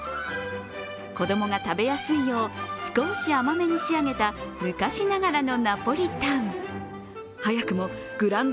子供が食べやすいよう少し甘めに仕上げた昔ながらのナポリタン。